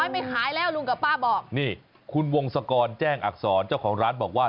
ไม่ขายแล้วลุงกับป้าบอกนี่คุณวงศกรแจ้งอักษรเจ้าของร้านบอกว่า